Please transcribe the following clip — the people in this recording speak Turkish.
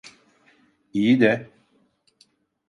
İyi de…